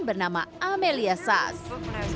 bernama amelia suss